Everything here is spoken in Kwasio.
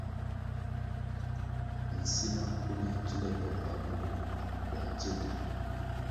Nsina mpule kile be mbpa bur ritu bong tsendi.